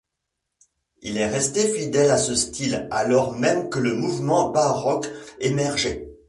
Il est resté fidèle à ce style alors même que le mouvement baroque émergeait.